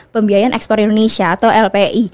pembiayaan ekspor indonesia atau lpi